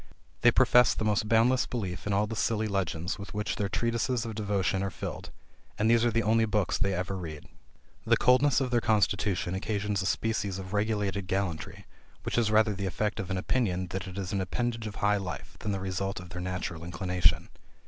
They profess the most boundless belief in all the silly legends with which their treatises of devotion are filled; and these are the only books they ever read. The coldness of their constitution occasions a species of regulated gallantry, which is rather the effect of an opinion that it is an appendage of high life, than the result of their natural inclination.